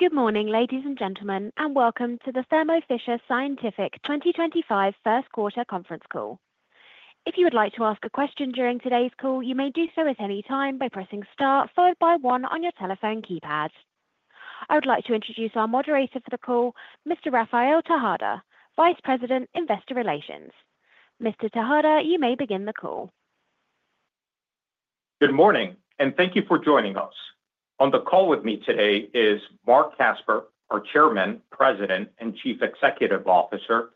Good morning ladies and gentlemen and welcome to the Thermo Fisher Scientific 2025 first quarter conference call. If you would like to ask a question during today's call, you may do so at any time by pressing star followed by one on your telephone keypad. I would like to introduce our moderator for the call, Mr. Rafael Tejada, Vice President, Investor Relations. Mr. Tejada, you may begin the call. Good morning and thank you for joining us. On the call with me today is Marc Casper, our Chairman, President and Chief Executive Officer,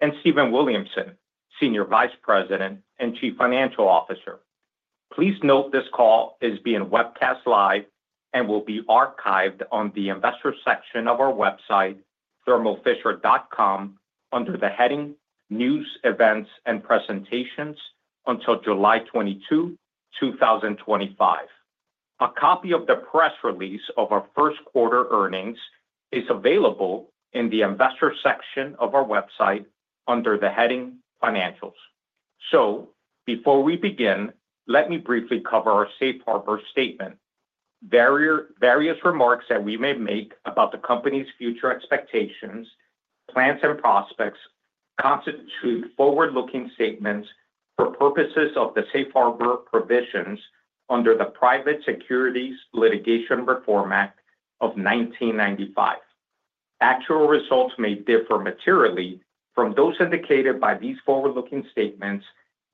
and Stephen Williamson, Senior Vice President and Chief Financial Officer. Please note this call is being webcast live and will be archived on the Investor section of our website thermofisher.com under the heading News Events and Presentations until July 22, 2025. A copy of the press release of our first quarter earnings is available in the Investors section of our website under the heading Financials. Before we begin, let me briefly cover our Safe Harbor Statement. Various remarks that we may make about the Company's future expectations, plans and prospects constitute forward looking statements for purposes of the Safe Harbor provisions under the Private Securities Litigation Reform Act of 1995. Actual results may differ materially from those indicated by these forward looking statements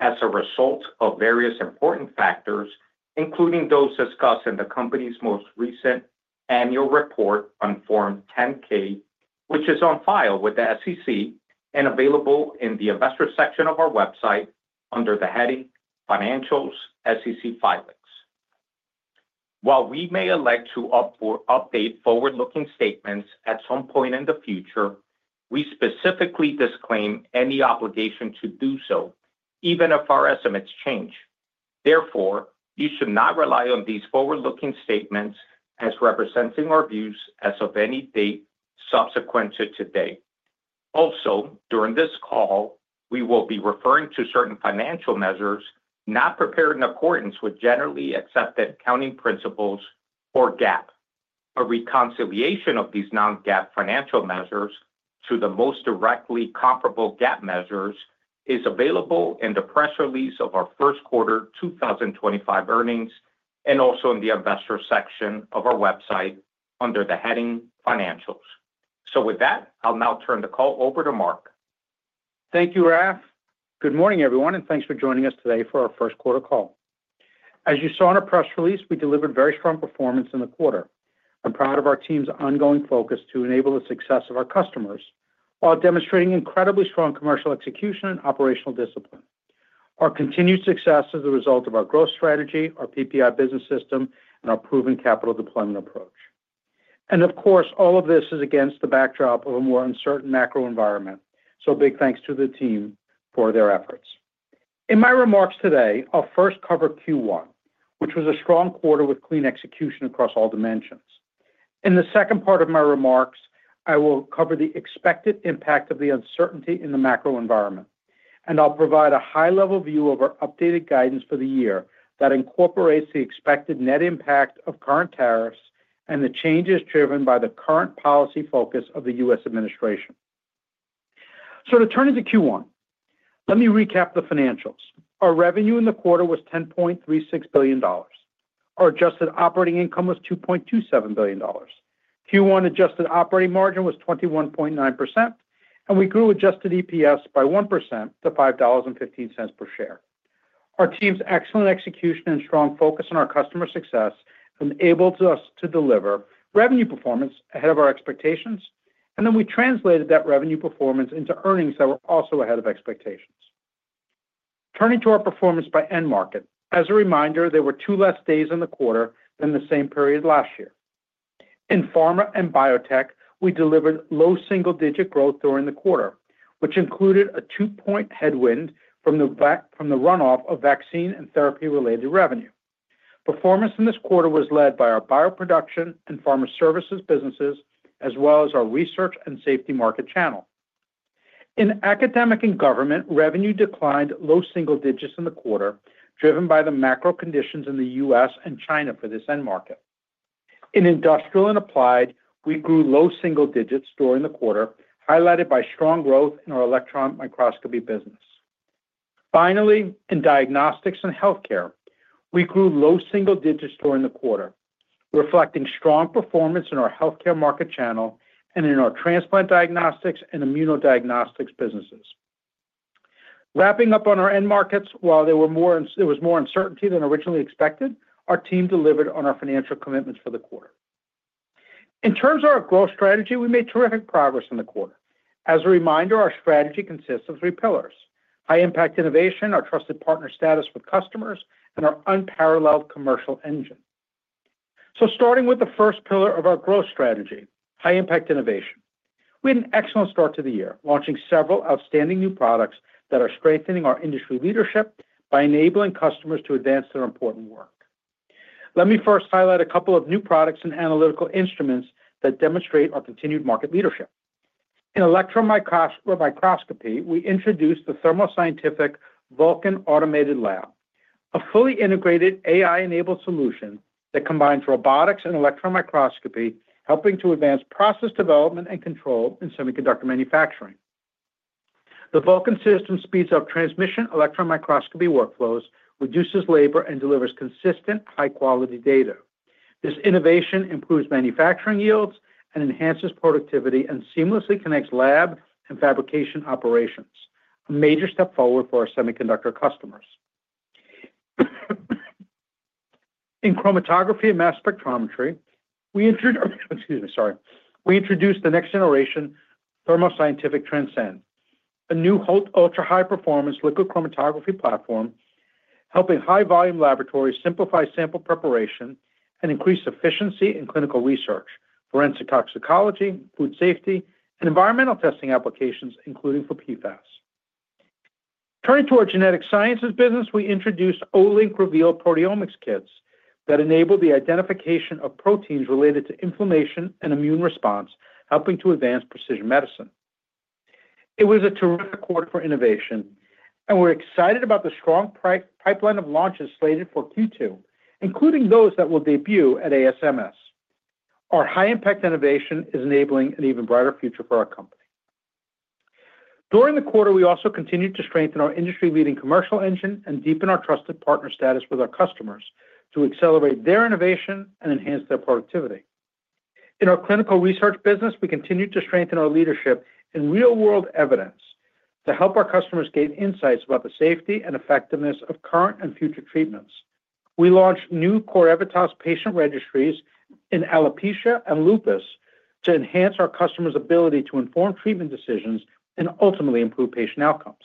as a result of various important factors, including those discussed in the Company's most recent Annual Report on Form 10K, which is on file with the SEC and available in the Investor section of our website under the heading Financials.SEC Filings. While we may elect to update forward looking statements at some point in the future, we specifically disclaim any obligation to do so even if our estimates change. Therefore, you should not rely on these forward looking statements as representing our views as of any date subsequent to today. Also, during this call we will be referring to certain financial measures not prepared in accordance with Generally Accepted Accounting Principles or GAAP. A reconciliation of these non-GAAP financial measures to the most directly comparable GAAP measures is available in the press release of our first quarter 2025 earnings and also in the Investors section of our website under the heading Financials. With that, I'll now turn the call over to Marc. Thank you Raf. Good morning everyone and thanks for joining us today for our first quarter call. As you saw in our press release, we delivered very strong performance in the quarter. I'm proud of our team's ongoing focus to enable the success of our customers while demonstrating incredibly strong commercial execution and operational discipline. Our continued success is the result of our growth strategy, our PPI business system and our proven capital deployment approach. Of course all of this is against the backdrop of a more uncertain macro environment. Big thanks to the team for their efforts. In my remarks today, I'll first cover Q1, which was a strong quarter with clean execution across all dimensions. In the second part of my remarks, I will cover the expected impact of the uncertainty in the macro environment and I'll provide a high level view of our updated guidance for the year that incorporates the expected net impact of current tariffs and the changes driven by the current policy focus of the US administration. To turn into Q1, let me recap the financials. Our revenue in the quarter was $10.36 billion. Our adjusted operating income was $2.27 billion. Q1 adjusted operating margin was 21.9% and we grew adjusted EPS by 1% to $5.15 per share. Our team's excellent execution and strong focus on our customer success enabled us to deliver revenue performance ahead of our expectations and then we translated that revenue performance into earnings that were also ahead of expectations. Turning to our performance by end market. As a reminder, there were two less days in the quarter than the same period last year. In pharma and biotech, we delivered low single-digit growth during the quarter, which included a two-point headwind from the runoff of vaccine and therapy-related revenue. Performance in this quarter was led by our bioproduction and pharma services businesses as well as our research and safety market channel. In academic and government, revenue declined low single digits in the quarter, driven by the macro conditions in the U.S. and China for this end market. In industrial and applied, we grew low single digits during the quarter, highlighted by strong growth in our electron microscopy business. Finally, in diagnostics and healthcare, we grew low single digits during the quarter, reflecting strong performance in our healthcare market channel and in our transplant diagnostics and immunodiagnostics businesses. Wrapping up on our end markets, while there was more uncertainty than originally expected, our team delivered on our financial commitments for the quarter. In terms of our growth strategy, we made terrific progress in the quarter. As a reminder, our strategy consists of three pillars: High Impact Innovation, our trusted partner status with customers, and our unparalleled commercial engine. Starting with the first pillar of our growth strategy, High Impact Innovation, we had an excellent start to the year, launching several outstanding new products that are strengthening our industry leadership by enabling customers to advance their important work. Let me first highlight a couple of new products and analytical instruments that demonstrate our continued market leadership. In electron microscopy, we introduced the Thermo Scientific Vulcan Automated Lab, a fully integrated AI enabled solution that combines robotics and electron microscopy, helping to advance process development and control in semiconductor manufacturing. The Vulcan system speeds up transmission electron microscopy workflows, reduces labor and delivers consistent, high quality data. This innovation improves manufacturing yields and enhances productivity and seamlessly connects lab and fabrication operations. A major step forward for our semiconductor customers. In chromatography and mass spectrometry, we introduced the next generation Thermo Scientific Transcend, a new ultra high performance liquid chromatography platform, helping high volume laboratories simplify sample preparation and increase efficiency in clinical research, forensic toxicology, food safety and environmental testing applications including for PFAs. Turning to our genetic sciences business, we introduced Olink Reveal Proteomics kits that enabled the identification of proteins related to inflammation and immune response, helping to advance precision medicine. It was a terrific quarter for innovation and we're excited about the strong pipeline of launches slated for Q2, including those that will debut at ASMS. Our high impact innovation is enabling an even brighter future for our company. During the quarter we also continued to strengthen our industry leading commercial engine and deepen our trusted partner status with our customers to accelerate their innovation and enhance their productivity. In our clinical research business, we continue to strengthen our leadership in real world evidence to help our customers gain insights about the safety and effectiveness of current and future treatments. We launched new core Evitas patient registries in alopecia and lupus to enhance our customers' ability to inform treatment decisions and ultimately improve patient outcomes.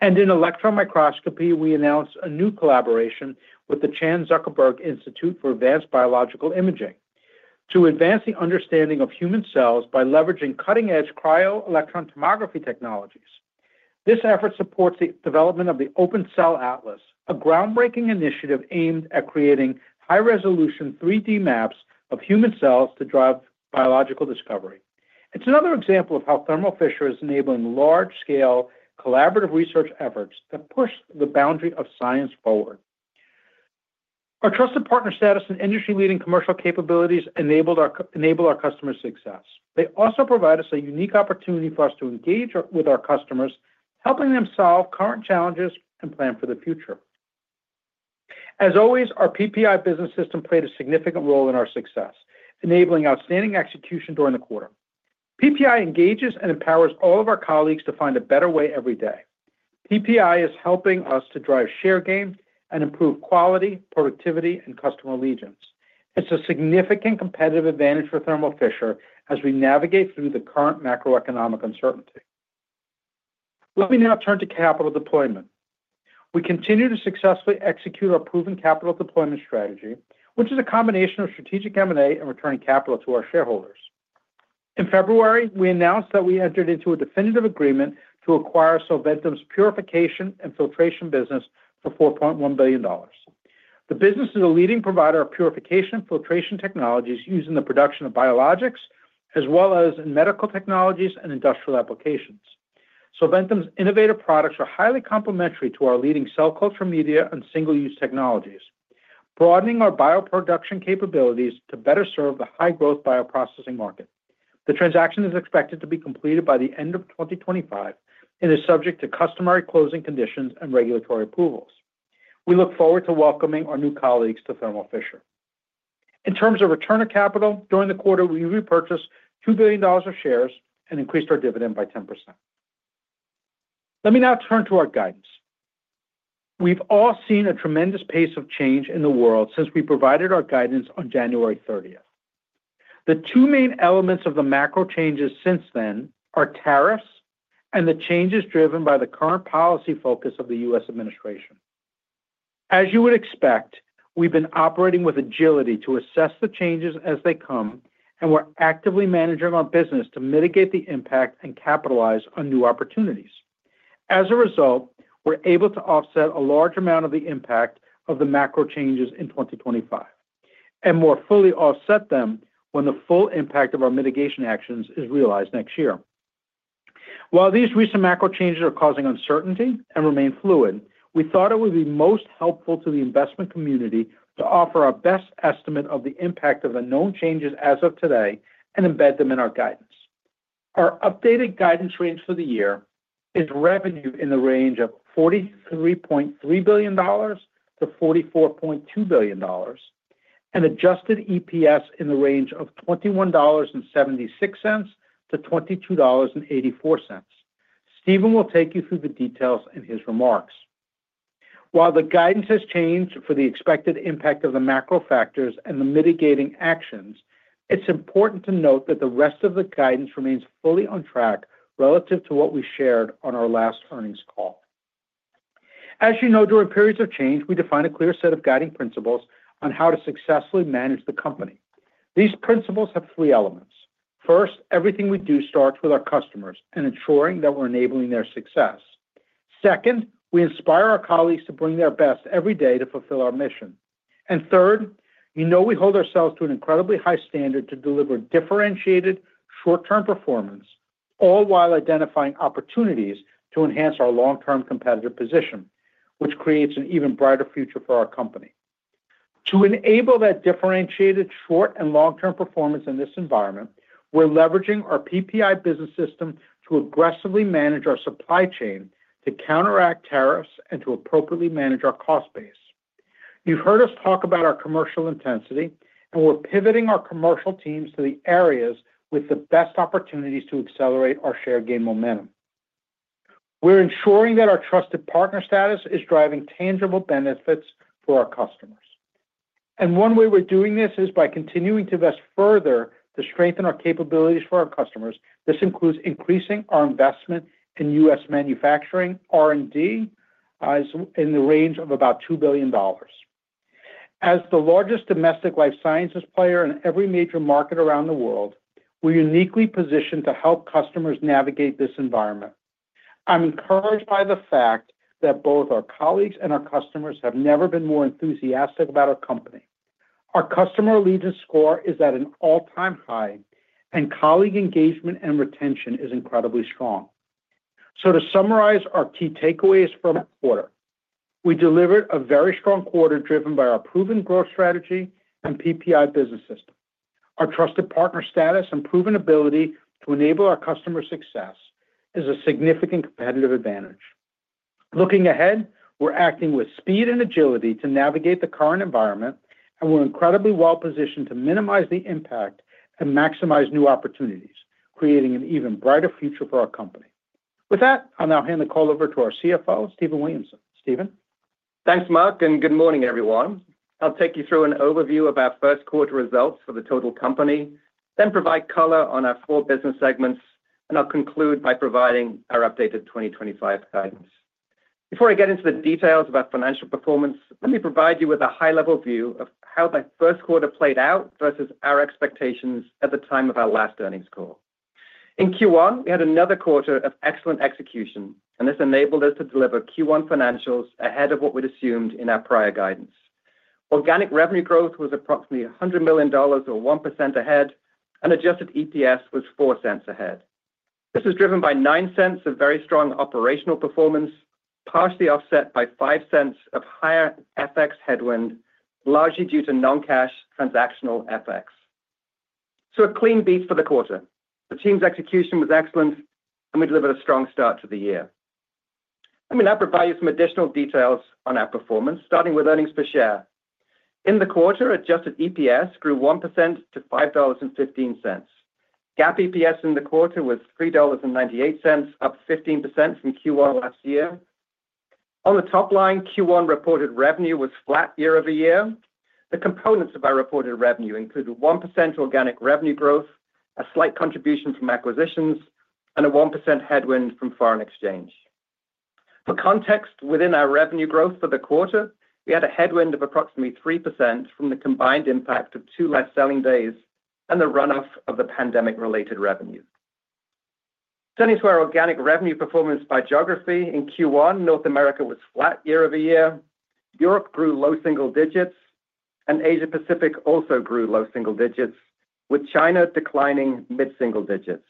In electron microscopy, we announced a new collaboration with the Chan Zuckerberg Initiative for Advanced Biological Imaging to advance the understanding of human cells by leveraging cutting edge cryo electron tomography technologies. This effort supports the development of the Open Cell Atlas, a groundbreaking initiative aimed at creating high resolution 3D maps of human cells to drive biological discovery. It's another example of how Thermo Fisher Scientific is enabling large scale collaborative research efforts that push the boundary of science forward. Our trusted partner status and industry leading commercial capabilities enable our customer success. They also provide us a unique opportunity for us to engage with our customers, helping them solve current challenges and plan for the future. As always, our PPI business system played a significant role in our success enabling outstanding execution during the quarter. PPI engages and empowers all of our colleagues to find a better way every day. PPI is helping us to drive, share, gain and improve quality, productivity and customer allegiance. It's a significant competitive advantage for Thermo Fisher as we navigate through the current macroeconomic uncertainty. Let me now turn to capital deployment. We continue to successfully execute our proven capital deployment strategy, which is a combination of strategic M&A and returning capital to our shareholders. In February, we announced that we entered into a definitive agreement to acquire Solventum's purification and filtration business for $4.1 billion. The business is a leading provider of purification filtration technologies used in the production of biologics as well as in medical technologies and industrial applications. Solventum's innovative products are highly complementary to our leading cell culture, media and single use technologies, broadening our bioproduction capabilities to better serve the high growth bioprocessing market. The transaction is expected to be completed by the end of 2025 and is subject to customary closing conditions and regulatory approvals. We look forward to welcoming our new colleagues to Thermo Fisher. In terms of return of capital during the quarter, we repurchased $2 billion of shares and increased our dividend by 10%. Let me now turn to our guidance. We have all seen a tremendous pace of change in the world since we provided our guidance on January 30. The two main elements of the macro changes since then are tariffs and the changes driven by the current policy focus of the US Administration. As you would expect, we've been operating with agility to assess the changes as they come, and we're actively managing our business to mitigate the impact and capitalize on new opportunities. As a result, we're able to offset a large amount of the impact of the macro changes in 2025 and more fully offset them when the full impact of our mitigation actions is realized next year. While these recent macro changes are causing uncertainty and remain fluid, we thought it would be most helpful to the investment community to offer our best estimate of the impact of the known changes as of today and embed them in our guidance. Our updated guidance range for the year is revenue in the range of $43.3 billion-$44.2 billion and adjusted EPS in the range of $21.76-$22.84. Stephen will take you through the details in his remarks. While the guidance has changed for the expected impact of the macro factors and the mitigating actions, it's important to note that the rest of the guidance remains fully on track relative to what we shared on our last earnings call. As you know, during periods of change, we define a clear set of guiding principles on how to successfully manage the company. These principles have three elements. First, everything we do starts with our customers and ensuring that we're enabling their success. Second, we inspire our colleagues to bring their best every day to fulfill our mission. Third, you know we hold ourselves to an incredibly high standard to deliver differentiated short term performance, all while identifying opportunities to enhance our long term competitive position, which creates an even brighter future for our company. To enable that differentiated short and long term performance in this environment, we're leveraging our PPI business system to aggressively manage our supply chain, to counteract tariffs and to appropriately manage our cost base. You've heard us talk about our commercial intensity and we're pivoting our commercial teams to the areas with the best opportunities to accelerate our share gain momentum. We're ensuring that our trusted partner status is driving tangible benefits for our customers and one way we're doing this is by continuing to invest further to strengthen our capabilities for our customers. This includes increasing our investment in US manufacturing R&D in the range of about $2 billion. As the largest domestic life sciences player in every major market around the world, we're uniquely positioned to help customers navigate this environment. I'm encouraged by the fact that both our colleagues and our customers have never been more enthusiastic about our company. Our customer leading score is at an all-time high and colleague engagement and retention is incredibly strong. To summarize our key takeaways from quarter, we delivered a very strong quarter driven by our proven growth strategy and PPI business system. Our trusted partner status and proven ability to enable our customer success is a significant competitive advantage. Looking ahead, we're acting with speed and agility to navigate the current environment and we're incredibly well positioned to minimize the impact and maximize new opportunities, creating an even brighter future for our company. With that, I'll now hand the call over to our CFO Stephen Williamson. Stephen, thanks Marc and good morning everyone. I'll take you through an overview of our first quarter results for the total company, then provide color on our four business segments and I'll conclude by providing our updated 2025 guidance. Before I get into the details of our financial performance, let me provide you with a high level view of how the first quarter played out versus our expectations. At the time of our last earnings call in Q1, we had another quarter of excellent execution and this enabled us to deliver Q1 financials ahead of what we'd assumed in our prior guidance. Organic revenue growth was approximately $100 million or 1% ahead and adjusted EPS was $0.04 ahead. This was driven by $0.09 of very strong operational performance, partially offset by $0.05 of higher FX headwind largely due to non cash transactional FX. A clean beat for the quarter, the team's execution was excellent and we delivered a strong start to the year. Let me now provide you some additional details on our performance. Starting with earnings per share in the quarter, adjusted EPS grew 1% to $5.15. GAAP EPS in the quarter was $3.98, up 15% from Q1 last year. On the top line, Q1 reported. Revenue was flat year over. Year. The components of our reported revenue included 1% organic revenue growth, a slight contribution from acquisitions and a 1% headwind from foreign exchange. For context, within our revenue growth for the quarter, we had a headwind of approximately 3% from the combined impact of two less selling days and the runoff of the pandemic related revenues. Turning to our organic revenue performance by geography in Q1, North America was flat year over year. Europe grew low single digits and Asia Pacific also grew low single digits with China declining mid single digits.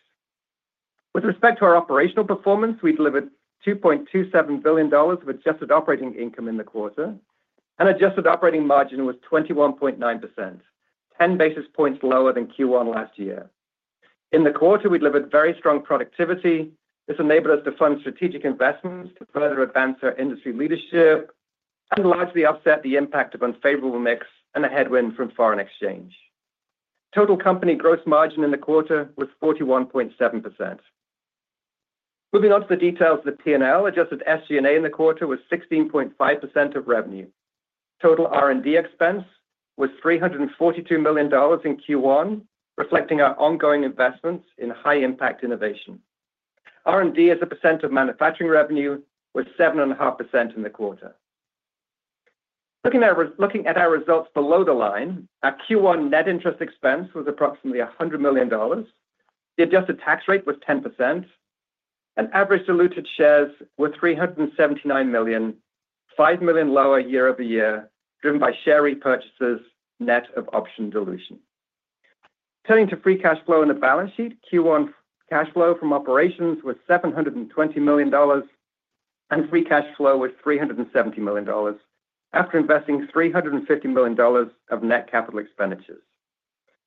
With respect to our operational performance, we delivered $2.27 billion of adjusted operating income in the quarter and adjusted operating margin was 21.9%, 10 basis points lower than Q1 last year. In the quarter we delivered very strong productivity. This enabled us to fund strategic investments to further advance our industry leadership and largely offset the impact of unfavorable mix and a headwind from foreign exchange. Total company gross margin in the quarter was 41.7%. Moving on to the details of the P&L, adjusted SG&A in the quarter was 16.5% of revenue. Total R&D expense was $342 million in Q1, reflecting our ongoing investments in high impact innovation. R&D as a percent of manufacturing revenue was 7.5% in the quarter. Looking at our results below the line, our Q1 net interest expense was approximately $100 million, the adjusted tax rate was 10% and average diluted shares were 379 million, 5 million lower year over year driven by share repurchases net of option dilution. Turning to free cash flow in the balance sheet, Q1 cash flow from operations was $720 million and free cash flow was $370 million. After investing $350 million of net capital expenditures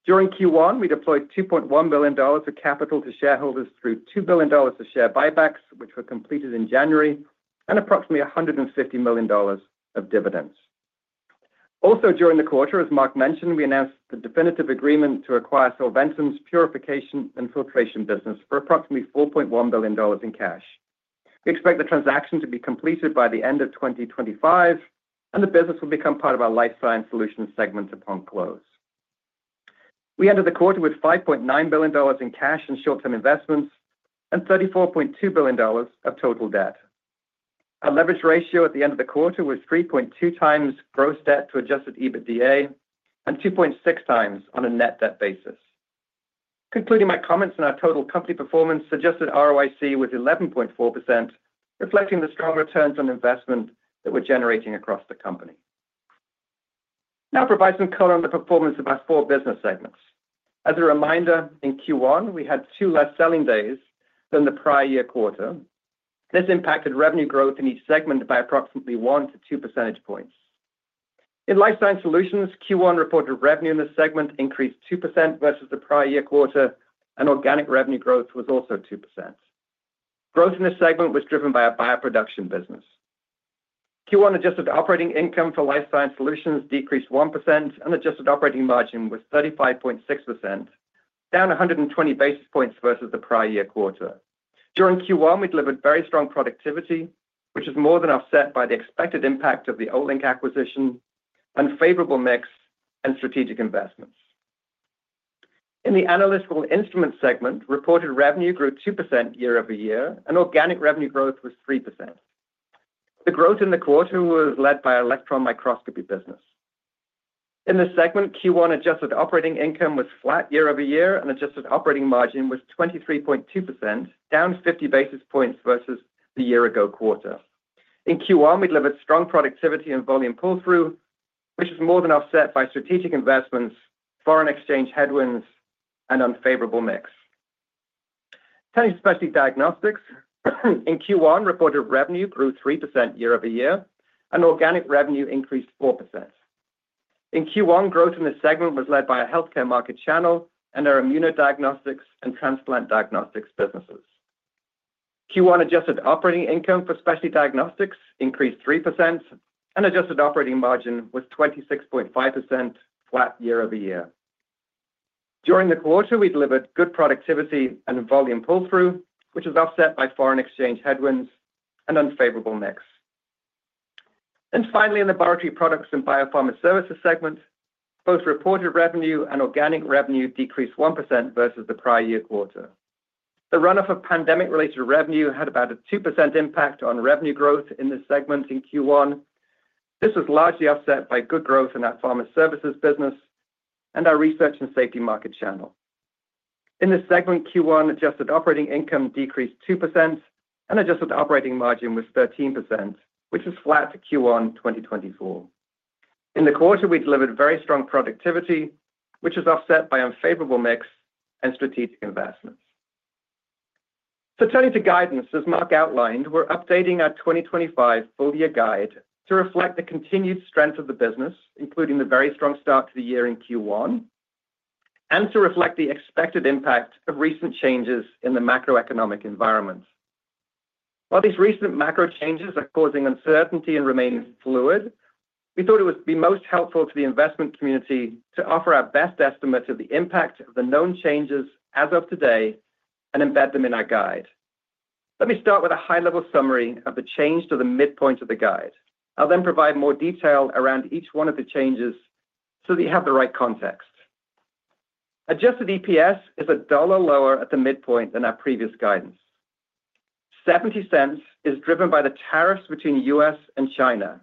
during Q1, we deployed $2.1 billion of capital to shareholders through $2 billion of share buybacks, which were completed in January, and approximately $150 million of dividends also during the quarter. As Marc mentioned, we announced the definitive agreement to acquire Solventum's purification and filtration business for approximately $4.1 billion in cash. We expect the transaction to be completed by the end of 2025 and the business will become part of our Life Science Solutions segment upon close. We ended the quarter with $5.9 billion in cash and short term investments and $34.2 billion of total debt. Our leverage ratio at the end of the quarter was 3.2 times gross debt to adjusted EBITDA and 2.6 times on a net debt basis. Concluding my comments on our total company performance, suggested ROIC was 11.4% reflecting the strong returns on investment that we're generating across the company. Now provide some color on the performance of our four business segments. As a reminder, in Q1 we had two less selling days than the prior year quarter. This impacted revenue growth in each segment by approximately 1-2 percentage points. In Life Science Solutions, Q1 reported revenue in this segment increased 2% versus the prior year quarter and organic revenue growth was also 2%. Growth in this segment was driven by our bioproduction business. Q1 adjusted operating income for Life Science Solutions decreased 1% and adjusted operating margin was 35.6%, down 120 basis points versus the prior year quarter. During Q1 we delivered very strong productivity which is more than offset by the expected impact of the Olink acquisition, unfavorable mix and strategic investments. In the Analytical Instruments segment, reported revenue grew 2% year over year and organic revenue growth was 3%. The growth in the quarter was led by the electron microscopy business. In this segment, Q1 adjusted operating income was flat year over year and adjusted operating margin was 23.2%, down 50 basis points versus the year ago quarter. In Q1 we delivered strong productivity and volume pull through which is more than offset by strategic investments, foreign exchange headwinds and unfavorable mix. Turning to Specialty Diagnostics, in Q1 reported revenue grew 3% year over year and organic revenue increased 4% in Q1. Growth in this segment was led by a healthcare market channel and our immunodiagnostics and transplant diagnostics businesses. Q1 adjusted operating income for Specialty Diagnostics increased 3% and adjusted operating margin was 26.5%, flat year over year. During the quarter we delivered good productivity and volume pull through, which was offset by foreign exchange headwinds, an unfavorable mix, and finally in the Laboratory Products and Biopharma Services segment, both reported revenue and organic revenue decreased 1% versus the prior year quarter. The runoff of pandemic related revenue had about a 2% impact on revenue growth in this segment. In Q1 this was largely offset by good growth in our Pharma Services business and our Research and Safety Market Channel. In this segment, Q1 adjusted operating income decreased 2% and adjusted operating margin was 13%, which is flat to Q1 2024. In the quarter we delivered very strong productivity, which was offset by unfavorable mix and strategic investments. Turning to guidance, as Marc outlined, we're updating our 2025 full year guide to reflect the continued strength of the business, including the very strong start to the year in Q1 and to reflect the expected impact of recent changes in the macroeconomic environment. While these recent macro changes are causing uncertainty and remain fluid, we thought it would be most helpful to the investment community to offer our best estimate of the impact of the known changes as of today and embed them in our guide. Let me start with a high level summary of the change to the midpoint of the guide. I'll then provide more detail around each one of the changes so that you have the right context. Adjusted EPS is a dollar lower at the midpoint than our previous guidance. $0.70 is driven by the tariffs between the U.S. and China.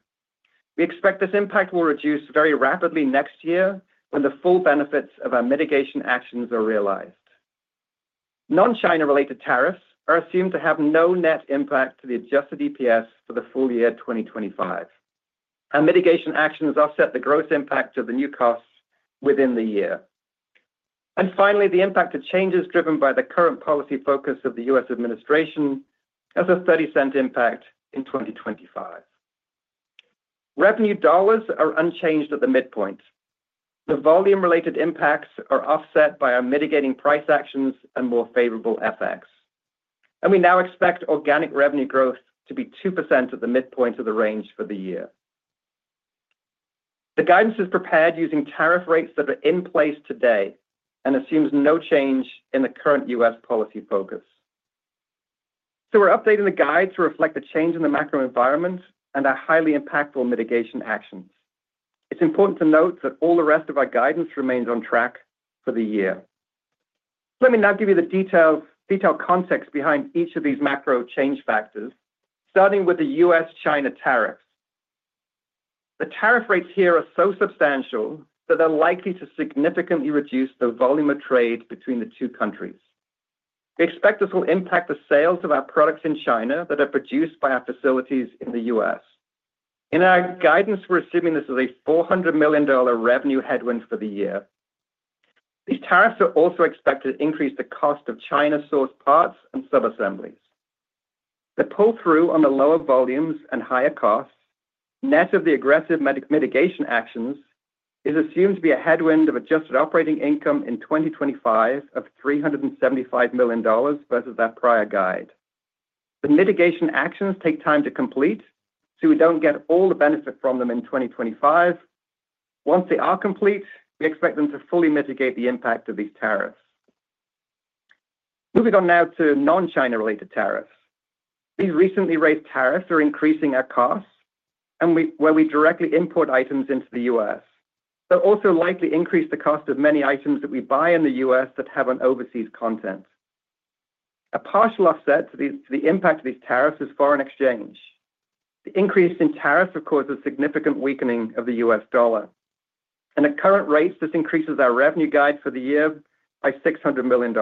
We expect this impact will reduce very rapidly next year when the full benefits of our mitigation actions are realized. Non-China related tariffs are assumed to have no net impact to the adjusted EPS for the full year 2025 and mitigation actions offset the gross impact of the new costs within the year. Finally, the impact of changes driven by the current policy focus of the U.S. administration has a $0.30 impact in 2025. Revenue dollars are unchanged at the midpoint, the volume related impacts are offset by our mitigating price actions and more favorable FX and we now expect organic revenue growth to be 2% at the midpoint of the range for the year. The guidance is prepared using tariff rates that are in place today and assumes no change in the current U.S. policy focus. We're updating the guide to reflect the change in the macro environment and our highly impactful mitigation actions. It's important to note that all the rest of our guidance remains on track for the year. Let me now give you the detailed context behind each of these macro change factors, starting with the U.S.-China tariffs. The tariff rates here are so substantial that they're likely to significantly reduce the volume of trade between the two countries. We expect this will impact the sales of our products in China that are produced by our facilities in the U.S. In our guidance we're assuming this is a $400 million revenue headwind for the year. These tariffs are also expected to increase the cost of China-sourced parts and subassemblies. The pull through on the lower volumes and higher costs net of the aggressive mitigation actions is assumed to be a headwind of adjusted operating income in 2025 of $375 million versus that prior guide. The mitigation actions take time to complete so we don't get all the benefit from them in 2025. Once they are complete, we expect them to fully mitigate the impact of these tariffs. Moving on now to non China related tariffs. These recently raised tariffs are increasing our costs and where we directly import items into the US they'll also likely increase the cost of many items that we buy in the US that have an overseas content. A partial offset to the impact of these tariffs is foreign exchange. The increase in tariffs, of course, a significant weakening of the US dollar, and at current rates this increases our revenue guide for the year by $600 million.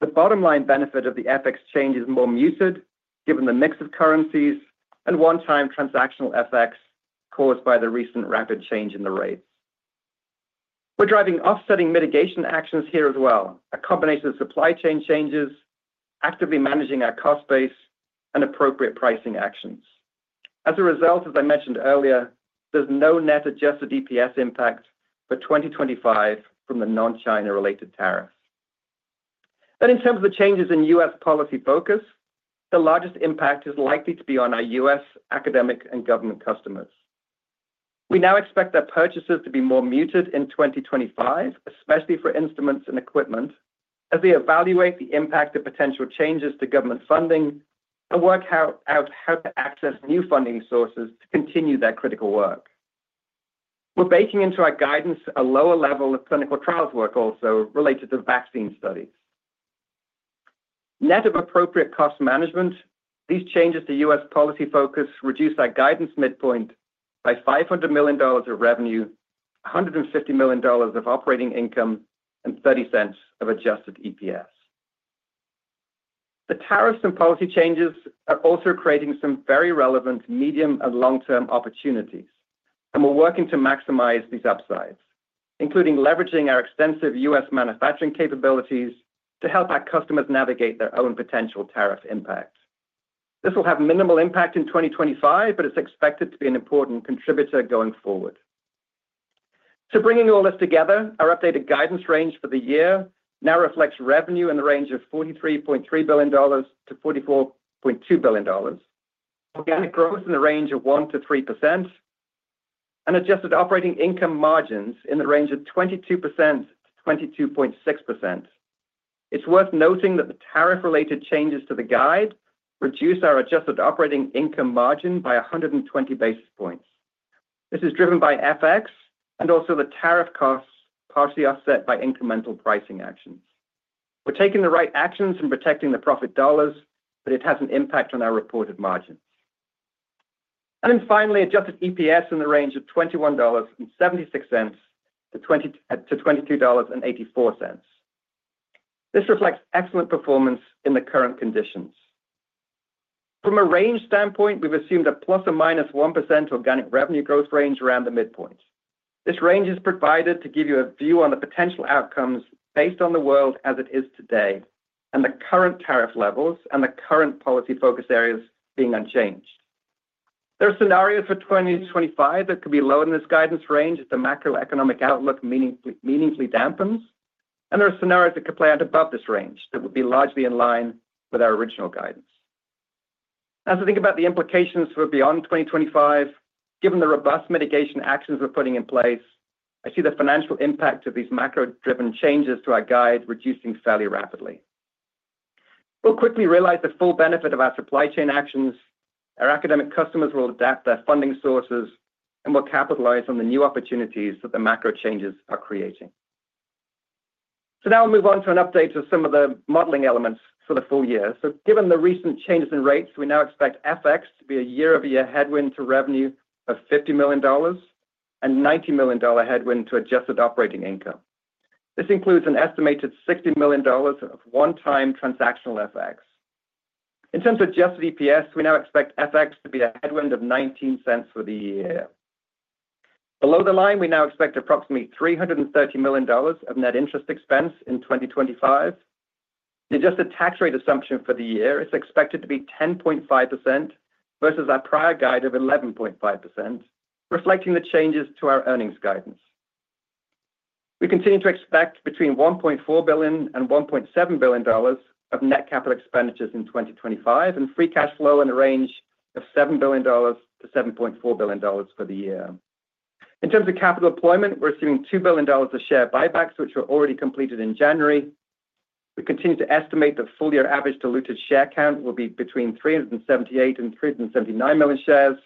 The bottom line benefit of the FX change is more muted given the mix of currencies and one-time transactional FX caused by the recent rapid change in the rates. We're driving offsetting mitigation actions here as well, a combination of supply chain changes, actively managing our cost base, and appropriate pricing actions. As a result, as I mentioned earlier, there's no net adjusted EPS impact for 2025 from the non-China related tariffs. In terms of the changes in US policy focus, the largest impact is likely to be on our US academic and government customers. We now expect their purchases to be more muted in 2025, especially for instruments and equipment, as they evaluate the impact of potential changes to government funding and work out how to access new funding sources to continue their critical work. We're baking into our guidance a lower level of clinical trials work also related to vaccine studies net of appropriate cost management. These changes to U.S. policy focus reduced our guidance midpoint by $500 million of revenue, $150 million of operating income and $0.30 of adjusted EPS. The tariffs and policy changes are also creating some very relevant medium and long term opportunities and we're working to maximize these upsides, including leveraging our extensive U.S. manufacturing capabilities to help our customers navigate their own potential tariff impact. This will have minimal impact in 2025, but it's expected to be an important contributor going forward. Bringing all this together, our updated guidance range for the year now reflects revenue in the range of $43.3 billion-$44.2 billion, organic growth in the range of 1%-3%, and adjusted operating income margins in the range of 22%-22.6%. It is worth noting that the tariff related changes to the guide reduce our adjusted operating income margin by 120 basis points. This is driven by FX and also the tariff costs, partially offset by incremental pricing actions. We are taking the right actions in protecting the profit dollars, but it has an impact on our reported margins. Finally, adjusted EPS in the range of $21.76-$22.84. This reflects excellent performance in the current conditions. From a range standpoint, we have assumed a plus or minus 1% organic revenue growth range around the midpoint. This range is provided to give you a view on the potential outcomes based on the world as it is today and the current tariff levels and the current policy focus areas being unchanged. There are scenarios for 2025 that could be lower than this guidance range if the macroeconomic outlook meaningfully dampens. There are scenarios that could play out above this range that would be largely in line with our original guidance. As I think about the implications for beyond 2025, given the robust mitigation actions we are putting in place, I see the financial impact of these macro driven changes to our guide reducing fairly rapidly. We will quickly realize the full benefit of our supply chain actions, our academic customers will adapt their funding sources and we will capitalize on the new opportunities that the macro changes are creating. Now we'll move on to an update to some of the modeling elements for the full year. Given the recent changes in rates, we now expect FX to be a year over year headwind to revenue of $50 million and $90 million headwind to adjusted operating income. This includes an estimated $60 million of one time transactional FX. In terms of adjusted EPS, we now expect FX to be a headwind of $0.19 for the year. Below the line, we now expect approximately $330 million of net interest expense in 2025. The adjusted tax rate assumption for the year is expected to be 10.5% versus our prior guide of 11.5%. Reflecting the changes to our earnings guidance, we continue to expect between $1.4 billion and $1.7 billion of net capital expenditures in 2025 and free cash flow in a range of $7 billion to $7.4 billion for the year. In terms of capital employment, we're seeing $2 billion of share buybacks which were already completed in January. We continue to estimate the full year average diluted share count will be between 378 and 379 million shares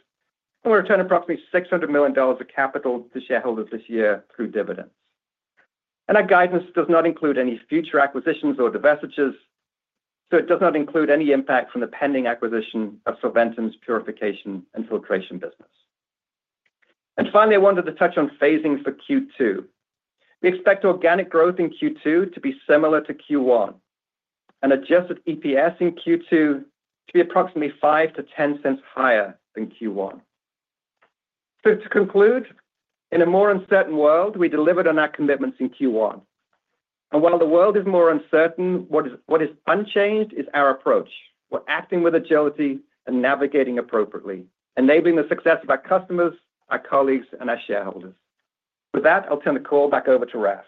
and we return approximately $600 million of capital to shareholders this year through dividends. Our guidance does not include any future acquisitions or divestitures, so it does not include any impact from the pending acquisition of Solventum's purification and filtration business. Finally, I wanted to touch on phasing for Q2. We expect organic growth in Q2 to be similar to Q1 and adjusted EPS in Q2 to be approximately $0.05-$0.10 higher than Q1. To conclude, in a more uncertain world, we delivered on our commitments in Q1, and while the world is more uncertain, what is unchanged is our approach. We're acting with agility and navigating appropriately, enabling the success of our customers, our colleagues and our shareholders. With that, I'll turn the call back over to Raf.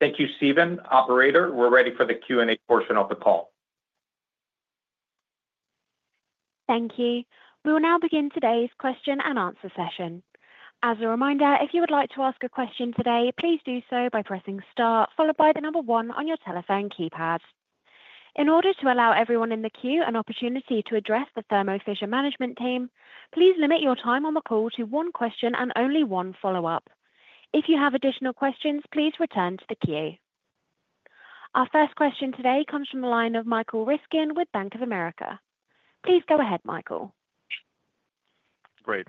Thank you. Stephen. Operator, we're ready for the Q and A portion of the Call. Thank you. We will now begin today's question and answer session. As a reminder, if you would like to ask a question today, please do so by pressing star followed by the number one on your telephone keypad. In order to allow everyone in the queue an opportunity to address the Thermo Fisher management team, please limit your time on the call to one question and only one follow up. If you have additional questions, please return to the queue. Our first question today comes from the line of Michael Riskin with Bank of America. Please go ahead. Michael. Great.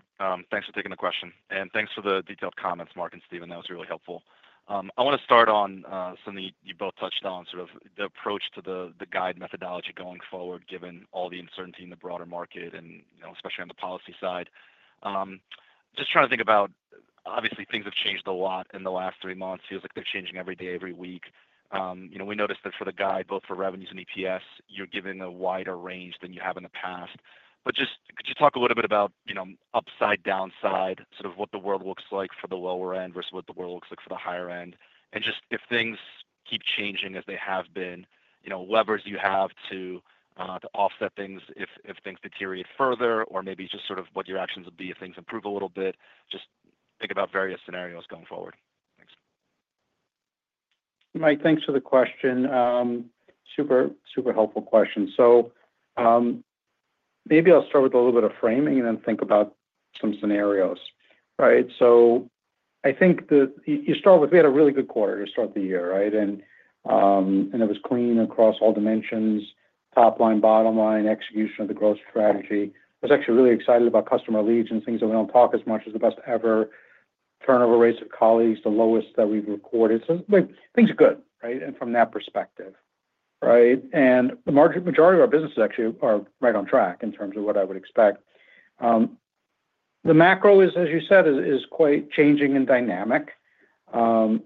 Thanks for taking the question and thanks for the detailed comments, Marc and Stephen. That was really helpful. I want to start on something you both touched on, sort of the approach to the guide methodology going forward, given all the uncertainty in the broader market and especially on the policy side. Just trying to think about obviously things have changed a lot in the last three months. Feels like they're changing every day, every week. We noticed that for the guide, both for revenues and EPS, you're giving a wider range than you have in the past. Could you talk a little bit about upside, downside, what the world looks like for the lower end versus what the world looks like for the higher end. If things keep changing as they have been, levers you have to offset things if things deteriorate further or maybe just sort of what your actions would be if things improve a little bit. Just think about various scenarios going Forward. Thanks. Mike. Thanks for the question. Super, super helpful question. Maybe I'll start with a little bit of framing and then think about some scenarios. Right. I think that you start with we had a really good quarter to start the year. Right? It was clean across all dimensions, top line, bottom line, execution of the growth strategy. I was actually really excited about customer leads and things that we do not talk as much as the best ever turnover rates of colleagues, the lowest that we have recorded. Things are good. Right. From that perspective. Right. The majority of our businesses actually are right on track in terms of what I would expect. The macro is, as you said, quite changing and dynamic. You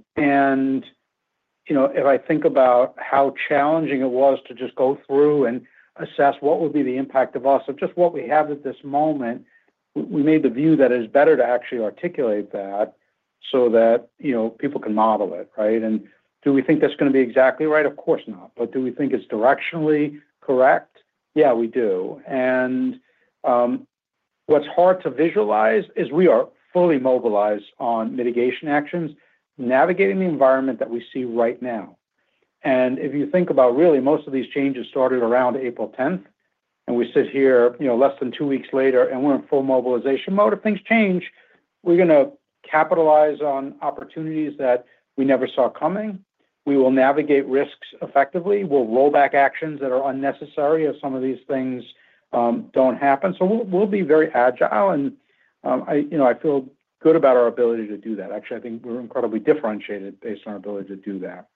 know, if I think about how challenging it was to just go through and assess what would be the impact of us, of just what we have at this moment, we made the view that it is better to actually articulate that so that, you know, people can model it. Right. Do we think that's going to be exactly right? Of course not. Do we think it's directionally correct? Yeah, we do. What's hard to visualize is we are fully mobilized on mitigation actions navigating the environment that we see right now. If you think about really most of these changes started around April 10 and we sit here, you know, less than two weeks later and we're in full mobilization mode. If things change, we're going to capitalize on opportunities that we never saw coming. We will navigate risks effectively, we'll roll back actions that are unnecessary as some of these things. We'll be very agile. I feel good about our ability to do that, actually. I think we're incredibly differentiated based on our ability to do that.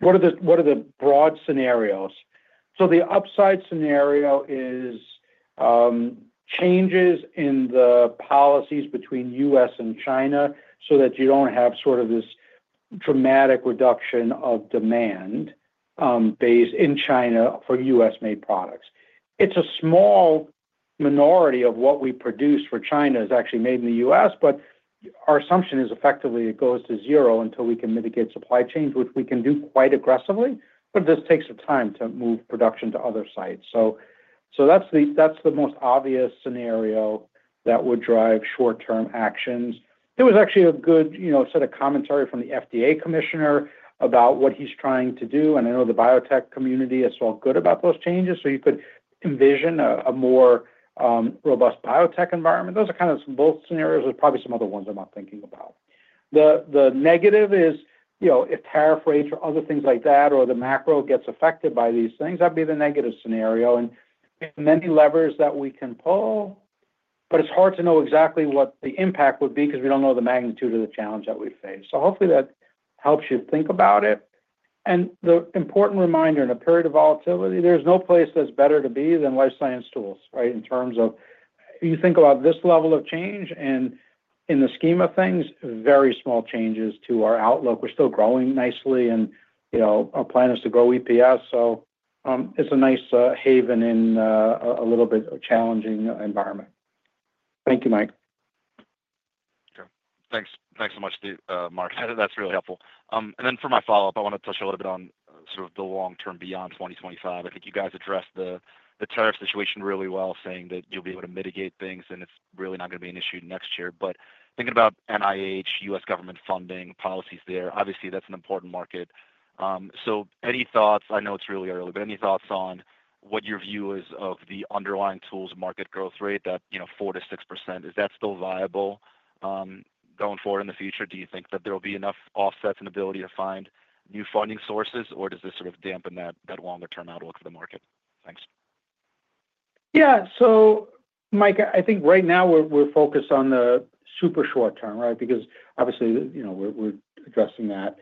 What are the broad scenarios? The upside scenario is changes in the policies between the U.S. and China so that you don't have sort of this dramatic reduction of demand base in China for U.S. made products. It's a small minority of what we produce for China is actually made in the U.S., but our assumption is effectively it goes to zero until we can mitigate supply chains, which we can do quite aggressively. This takes some time to move production to other sites. That is the most obvious scenario that would drive short term actions. There was actually a good set of commentary from the FDA commissioner about what he's trying to do. I know the biotech community is all good about those changes, so you could envision a more robust biotech environment. Those are kind of both scenarios. There are probably some other ones I'm not thinking about. The negative is, you know, if tariff rates or other things like that or the macro gets affected by these things, that would be the negative scenario and many levers that we can pull. It is hard to know exactly what the impact would be because we do not know the magnitude of the challenge that we face. Hopefully that helps you think about it. The important reminder in a period of volatility is there is no place that is better to be than life science tools, right? In terms of you think about this level of change and in the scheme of things, very small changes to our outlook. We are still growing nicely and our plan is to grow EPS. It is a nice haven in a little bit challenging environment. Thank you Mike. Thanks so much Marc, that's really helpful. For my follow up I want to touch a little bit on sort of the long term beyond 2025. I think you guys addressed the tariff situation really well, saying that you'll be able to mitigate things and it's really not going to be an issue next year. Thinking about NIH, U.S. government funding policies there, obviously that's an important market. Any thoughts? I know it's really early, but any thoughts on what your view is of the underlying tools market growth rate, that 4-6%, is that still viable going forward in the future? Do you think that there will be enough offsets and ability to find new funding sources or does this sort of dampen that longer term outlook for the market? Thanks. Yeah. Mike, I think right now we're focused on the super short term, right? Because obviously, you know, we're addressing that.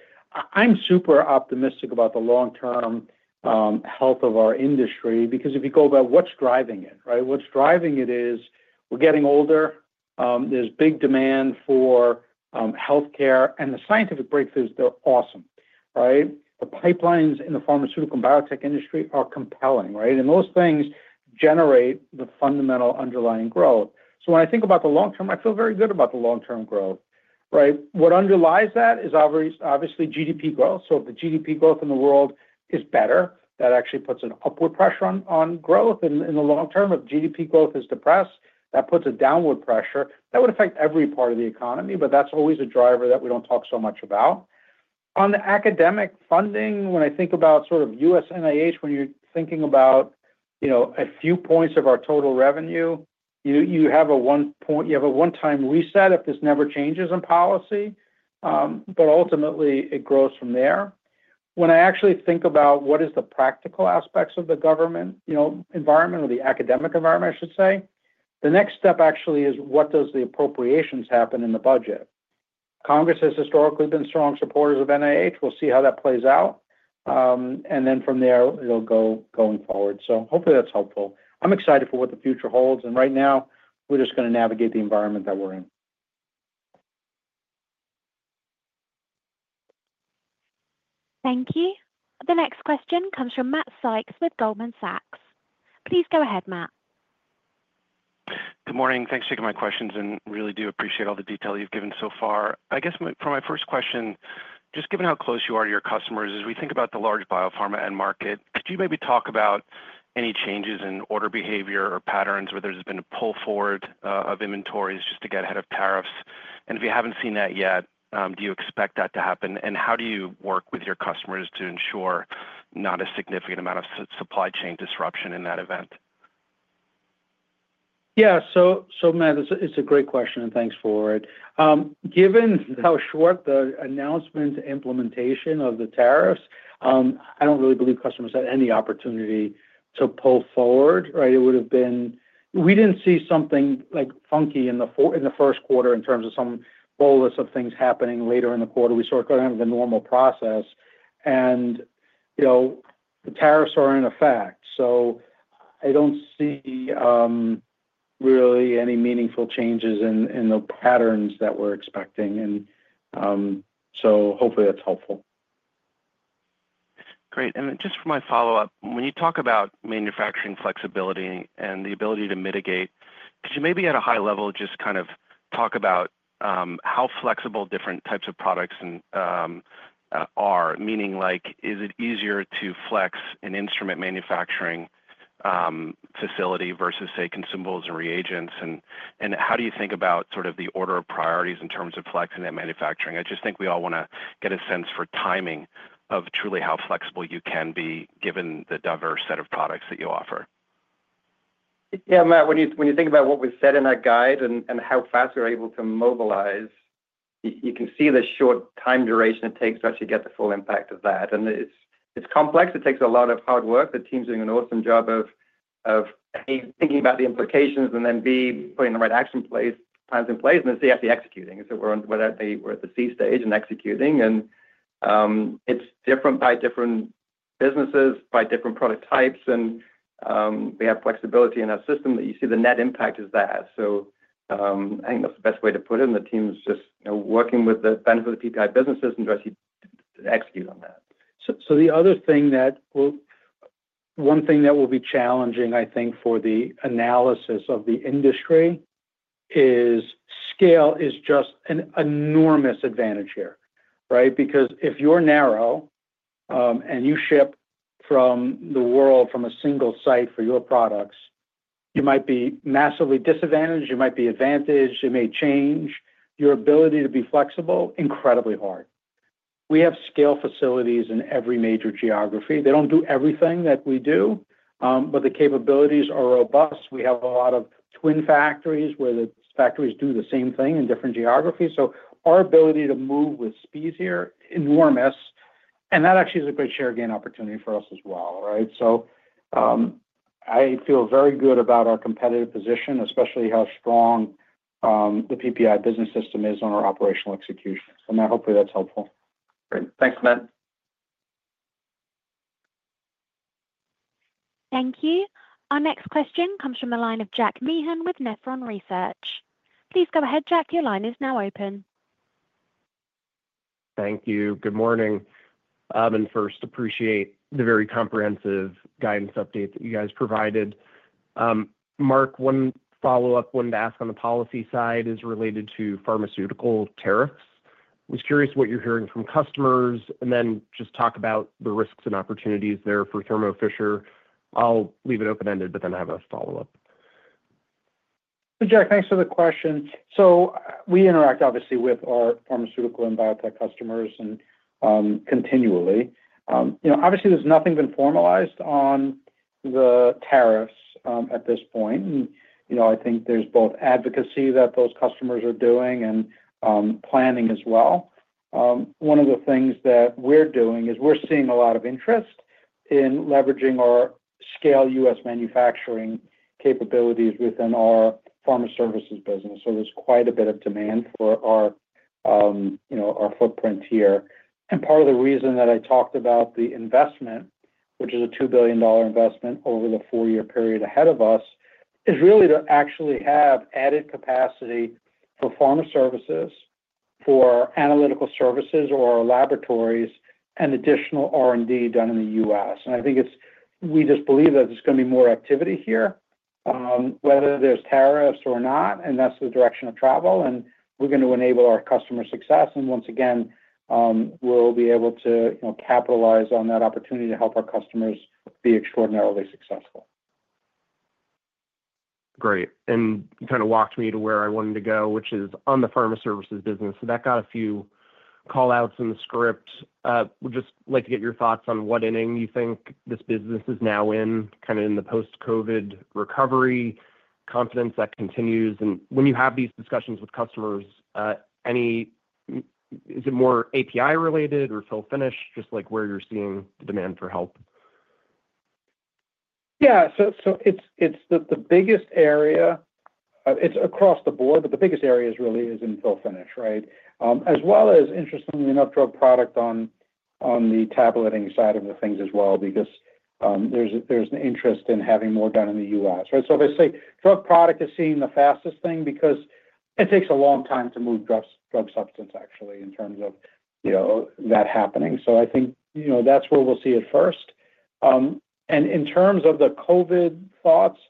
I'm super optimistic about the long term health of our industry because if you go about what's driving it, right? What's driving it is we're getting older, there's big demand for health care and the scientific breakthroughs, they're awesome, right? The pipelines in the pharmaceutical biotech industry are compelling, right. And those things generate the fundamental underlying growth. When I think about the long term, I feel very good about the long term growth. Right? What underlies that is obviously GDP growth. The GDP growth in the world is better. That actually puts an upward pressure on growth in the long term. If GDP growth is depressed, that puts a downward pressure that would affect every part of the economy. That's always a driver that we don't talk so much about. On the academic funding, when I think about sort of U.S. NIH, when you're thinking about a few points of our total revenue, you have a one point, you have a one time reset. If this never changes in policy, but ultimately it grows from there. When I actually think about what is the practical aspects of the government environment or the academic environment, I should say the next step actually is what does the appropriations happen in the budget? Congress has historically been strong supporters of NIH. We'll see how that plays out and from there it'll go going forward. Hopefully that's helpful. I'm excited for what the future holds and right now we're just going to navigate the environment that we're in. Thank you. The next question comes from Matt Sykes with Goldman Sachs. Please go ahead. Matt. Good Morning. Thanks for taking my questions and really do appreciate all the detail you've given so far. I guess for my first question, just given how close you are to your customers as we think about the large biopharma end market, could you maybe talk about any changes in order behavior or patterns where there's been a pull forward of inventories just to get ahead of tariffs? If you haven't seen that yet, do you expect that to happen and how do you work with your customers to ensure not a significant amount of supply chain disruption in that event? Yeah. Matt, it's a great question and thanks for it. Given how short the announcement implementation of the tariffs, I don't really believe customers had any opportunity to pull forward. Right. It would have been we didn't see something like funky in the first quarter in terms of some bolus of things happening later in the quarter. We sort of go down to the normal process and you know, tariffs are in effect. I don't see really any meaningful changes in the patterns that we're expecting. Hopefully that's helpful. Great. Just for my follow up, when you talk about manufacturing flexibility and the ability to mitigate, could you maybe at a high level just kind of talk about how flexible different types of products are? Meaning like is it easier to flex an instrument manufacturing facility versus say consumables and reagents, and how do you think about sort of the order of priorities in terms of flexing and manufacturing? I just think we all want to get a sense for timing of truly how flexible you can be given the diverse set of products that you offer. Yeah, Matt, when you think about what was said in that guide and how fast we're able to globalize, you can see the short time duration it takes to actually get the full impact of that. It's complex. It takes a lot of hard work. The team's doing an awesome job of thinking about the implications and then B, putting the right action plans in place and then CFD, executing. We're at the C stage and executing and it's different by different businesses, by different product types, and we have flexibility in our system. You see the net impact is there. I think that's the best way to put it. The team's just working with the benefit of PPI businesses and execute on that. So the other thing, that one thing that will be challenging I think for the analysis of the industry is scale is just an enormous advantage here. Right. Because if you're narrow and you ship from the world from a single site for your products, you might be massively disadvantaged. You might be advantaged. It may change your ability to be flexible. Incredibly hard. We have scale facilities in every major geography. They don't do everything that we do, but the capabilities are robust. We have a lot of twin factories where the factories do the same thing in different geographies. Our ability to move with speed is enormous. That actually is a great share gain opportunity for us as well. Right. I feel very good about our competitive position, especially how strong the PPI business system is on our operational execution and hopefully that's helpful. Great. Thanks Matt. Thank you. Our next question comes from the line of Jack Meehan with Nephron Research. Please go ahead. Jack, your line is now open. Thank you. Good morning and first appreciate the very comprehensive guidance update that you guys provided. Mark, one follow up, one to ask on the policy side is related to pharmaceutical tariffs. Was curious what you're hearing from customers and then just talk about the risks and opportunities there for Thermo Fisher. I'll leave it open ended but I have a follow up. Jack, thanks for the question. We interact obviously with our pharmaceutical and biotech customers and continually, you know, obviously there's nothing been formalized on the tariffs at this point. You know, I think there's both advocacy that those customers are doing and planning as well. One of the things that we're doing is we're seeing a lot of interest in leveraging our scale US manufacturing capabilities within our pharma services business. There's quite a bit of demand for our, you know, our footprint here. Part of the reason that I talked about the investment, which is a $2 billion investment over the four year period ahead of us, is really to actually have added capacity for pharma services, for analytical services or laboratories, and additional R&D done in the US. I think we just believe that there's going to be more activity here whether there's tariffs or not, and that's the direction of travel, and we're going to enable our customer success. Once again, we'll be able to capitalize on that opportunity to help our customers be extraordinarily successful. Great. And you kind of walked me to where I wanted to go, which is on the pharma services business. That got a few call outs in the script. Would just like to get your thoughts on what inning you think this business is now in. Kind of in the post Covid recovery confidence that continues. When you have these discussions with customers, is it more API related or fill finish, just where you're seeing the demand for help? Yeah, so it's the biggest area. It's across the board. The biggest areas really is in full finish, right, as well as, interestingly enough, drug product on the tablet and side of the things as well. Because there's an interest in having more done in the U.S., right. They say drug product is seeing the fastest thing because it takes a long time to move drug substance actually in terms of that happening. I think that's where we'll see it first. In terms of the COVID thoughts,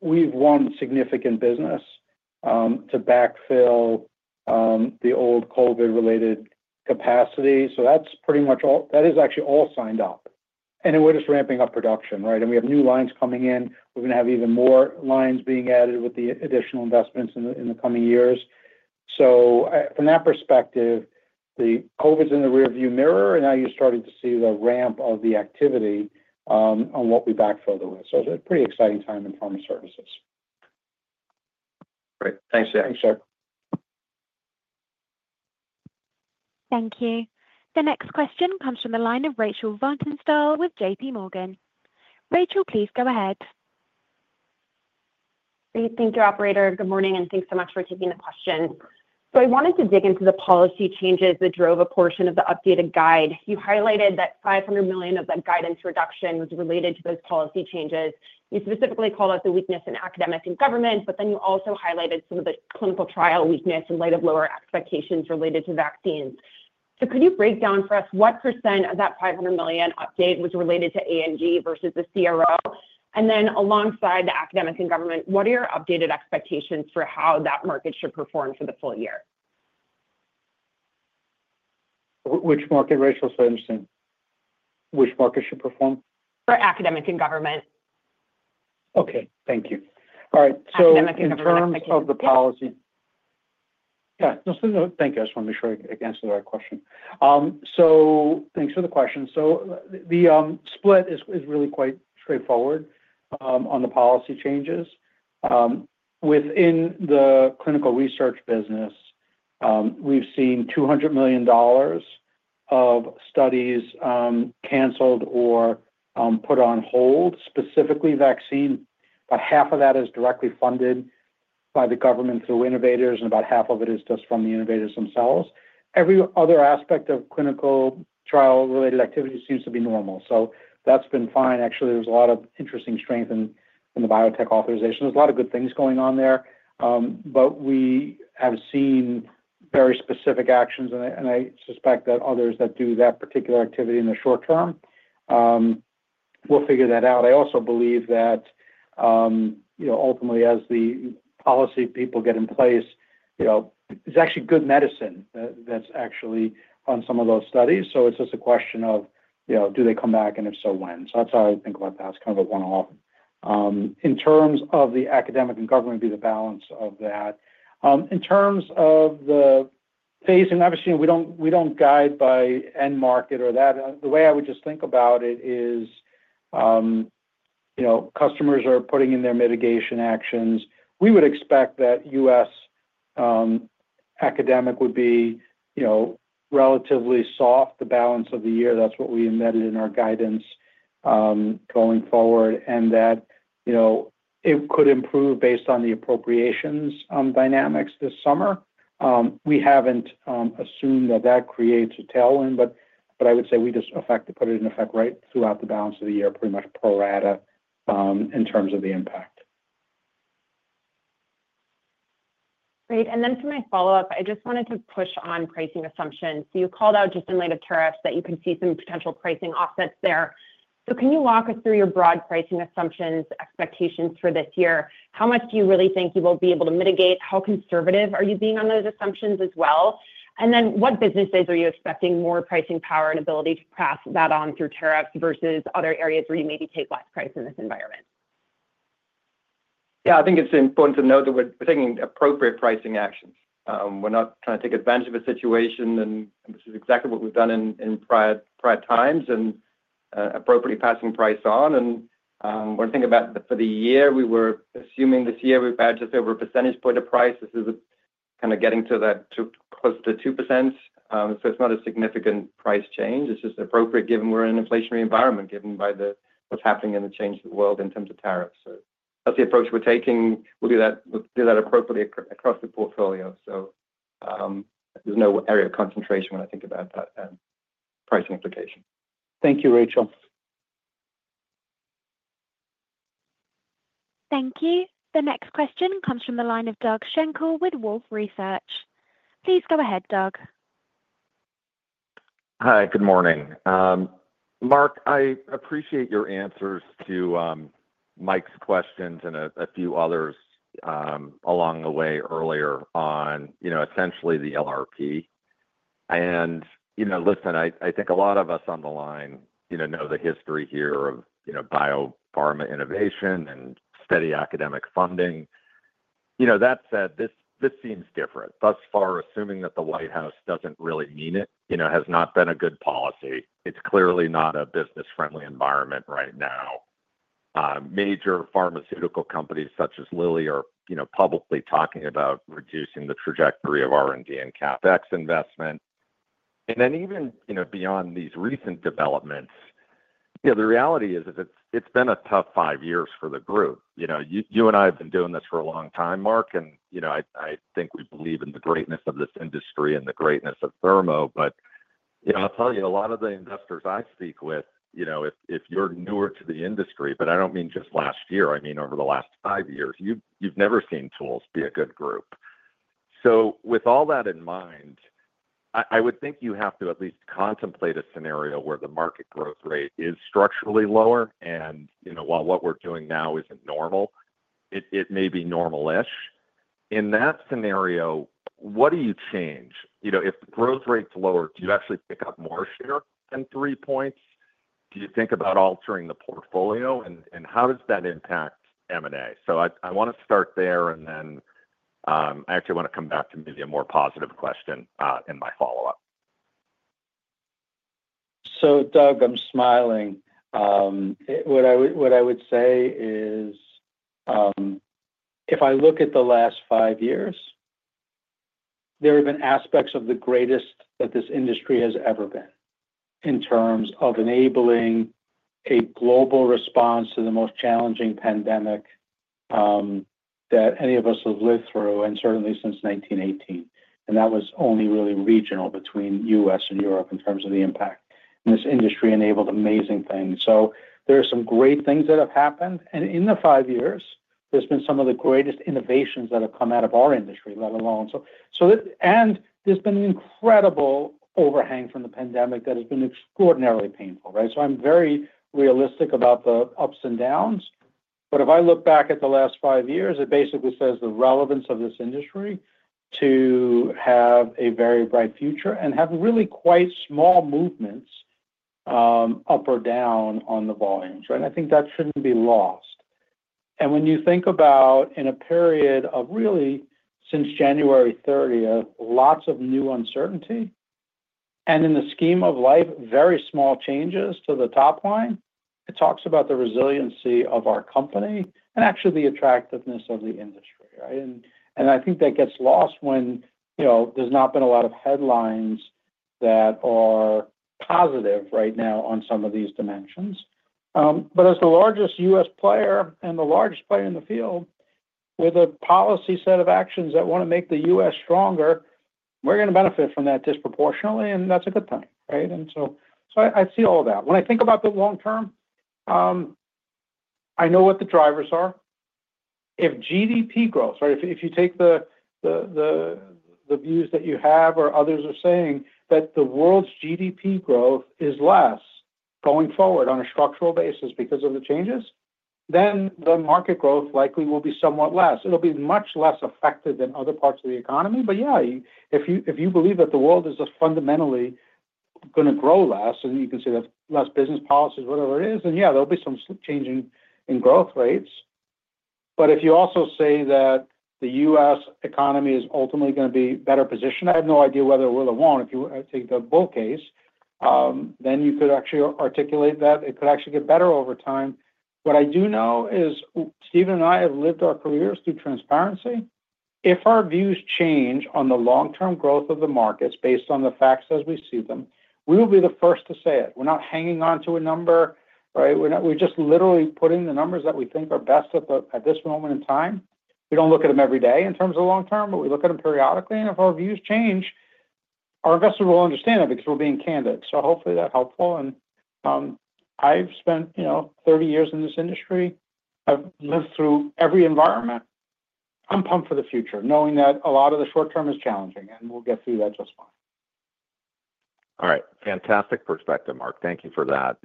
we've won significant business to backfill the old COVID related capacity. That's pretty much all that is actually all signed up, and we're just ramping up production. Right. We have new lines coming in. We're gonna have even more lines being added with the additional investments in the coming years. From that perspective, Covid's in the rear view mirror and now you're starting to see the ramp of the activity on what we back further with. It's a pretty exciting time in pharma services. Great. Thanks Jack. Thank you. The next question comes from the line of Rachel Vatnsdal with JP Morgan. Rachel, please go ahead. Great. Thank you operator. Good morning and thanks so much for taking the question. I wanted to dig into the policy changes that drove a portion of the updated guide. You highlighted that $500 million of the guidance reduction was related to those policy changes. You specifically call out the weakness in academic and government. You also highlighted some of the clinical trial weakness in light of lower expectations related to vaccines. Could you break down for us what percent of that $500 million update was related to academic and government versus the CRO? Alongside the academics and government, what are your updated expectations for how that market should perform for the full year? Which market ratio, which market should perform? For academic and government. Okay, thank you. All right, so in terms of the Policy. Yeah, thank you. I just want to make sure I answer the right question. Thanks for the question. The split is really quite straightforward. On the policy changes within the clinical research business, we've seen $200 million of studies canceled or put on hold, specifically vaccine. About half of that is directly funded by the government through innovators and about half of it is just from the innovators themselves. Every other aspect of clinical trial related activity seems to be normal. That's been fine. Actually, there's a lot of interesting strength in the biotech authorization. There's a lot of good things going on there. We have seen very specific actions and I suspect that others that do that particular activity in the short term will figure that out. I also believe that, you know, ultimately as the policy people get in place, you know, it's actually good medicine that's actually on some of those studies. It is just a question of, you know, do they come back and if so when. That is how I think about that. It is kind of a one off in terms of the academic and government, be the balance of that in terms of the phasing. Obviously we do not guide by end market or that. The way I would just think about it is, you know, customers are putting in their mitigation actions. We would expect that US academic would be, you know, relatively soft the balance of the year. That is what we embedded in our guidance going forward and that, you know, it could improve based on the appropriations dynamics this summer. We haven't assumed that that creates a tailwind, but I would say we just effectively put it in effect right throughout the balance of the year pretty much pro rata in terms of the impact. Great. For my follow up I just wanted to push on pricing assumptions. You called out just in light of tariffs that you can see some potential pricing offsets there. Can you walk us through your broad pricing assumptions expectations for this year? How much do you really think you will be able to mitigate? How conservative are you being on those assumptions as well? What businesses are you expecting more pricing power and ability to pass that on through tariffs versus other areas where you maybe take less price in this environment? Yeah, I think it's important to note that we're taking appropriate pricing actions. We're not trying to take advantage of a situation. This is exactly what we've done in prior times and appropriately passing price on. When I think about for the year, we were assuming this year we've had just over a percentage point of price. This is kind of getting to that close to 2%. It's not a significant price change. It's just appropriate given we're in an inflationary environment, given by the, what's happening in the change of the world in terms of tariffs. That's the approach we're taking. We'll do that appropriately across the portfolio. There's no area of concentration when I think about that pricing implication. Thank you Rachel. Thank you. The next question comes from the line of Doug Schenkel with Wolfe Research. Please go ahead, Doug. Hi, good morning, Marc. I appreciate your answers to Mike's questions and a few others along the way earlier on. You know, essentially the LRP and you know, listen, I think a lot of us on the line, you know, know the history here of, you know, biopharma innovation and steady academic funding. You know, that said, this, this seems different thus far. Assuming that the White House doesn't really mean it, you know, has not been a good policy. It's clearly not a business friendly environment right now. Major pharmaceutical companies such as Lilly are publicly talking about reducing the trajectory of R&D and CapEx investment. And then even beyond these recent developments, the reality is it's been a tough five years for the group. You and I have been doing this for a long time, Mark, and I think we believe in the greatness of this industry and the greatness of Thermo. I'll tell you, a lot of the investors I speak with, you know, if you're newer to the industry, but I don't mean just last year, I mean over the last five years, you've never seen tools be a good group. With all that in mind, I would think you have to at least contemplate a scenario where the market growth rate is structurally lower. You know, while what we're doing now isn't normal, it may be normalish in that scenario. What do you change? You know, if growth rates lower, do you actually pick up more share than three points? Do you think about altering the portfolio? How does that impact M&A? I want to start there and then I actually want to come back to maybe a more positive question in my follow up. Doug, I'm smiling. What I would say is if I look at the last five years, there have been aspects of the greatest that this industry has ever been in terms of enabling a global response to the most challenging pandemic that any of us have lived through and certainly since 1918, and that was only really regional between the U.S. and Europe in terms of the impact this industry enabled. Amazing things. There are some great things that have happened. In the five years there's been some of the greatest innovations that have come out of our industry, let alone. There's been an incredible overhang from the pandemic that has been extraordinarily painful. I'm very realistic about the ups and downs. If I look back at the last five years, it basically says the relevance of this industry to have a very bright future and have really quite small movements up or down on the volumes, I think that should not be lost. When you think about in a period of really since January 30, lots of new uncertainty and in the scheme of life, very small changes to the top line. It talks about the resiliency of our company and actually the attractiveness of the industry. I think that gets lost when there has not been a lot of headlines that are positive right now on some of these dimensions. As the largest U.S. player and the largest player in the field with a policy set of actions that want to make the U.S. stronger, we are going to benefit from that disproportionately. That is a good thing. I see all that. When I think about the long term, I know what the drivers are. If GDP growth, if you take the views that you have or others are saying that the world's GDP growth is less going forward on a structural basis because of the changes, then the market growth likely will be somewhat less. It will be much less affected than other parts of the economy. If you believe that the world is fundamentally going to grow less and you can say that less business policies, whatever it is, then there will be some change in growth rates. If you also say that the US economy is ultimately going to be better positioned, I have no idea whether it will or will not. If you take the bull case, you could actually articulate that it could actually get better over time. What I do know is Stephen and I have lived our careers through transparency. If our views change on the long term growth of the markets based on the facts as we see them, we will be the first to say it. We're not hanging on to a number. Right? We're not. We're just literally putting the numbers that we think are best at this moment in time. We don't look at them every day in terms of long term, but we look at them periodically. If our views change, our investors will understand it because we're being candid. Hopefully that is helpful. I've spent 30 years in this industry. I've lived through every environment. I'm pumped for the future, knowing that a lot of the short term is challenging and we'll get through that just fine. All right. Fantastic perspective, Mark. Thank you for that.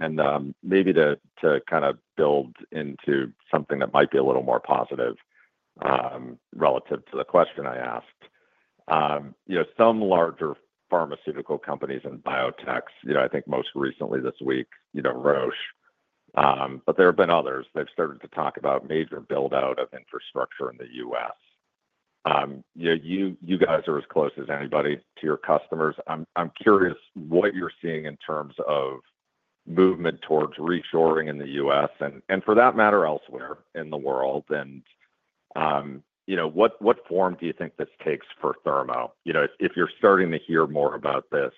Maybe to kind of build into something that might be a little more positive relative to the question I asked some larger pharmaceutical companies and biotechs. I think most recently this week, Roche. There have been others. They've started to talk about major build out of infrastructure in the U.S. You guys are as close as anybody to your customers. I'm curious what you're seeing in terms of movement towards reshoring in the U.S. and for that matter elsewhere in the world. You know, what form do you think this takes for Thermo? You know, if you're starting to hear more about this,